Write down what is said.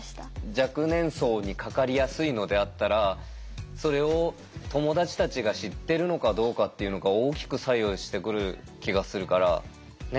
若年層にかかりやすいのであったらそれを友達たちが知ってるのかどうかっていうのが大きく左右してくる気がするからね。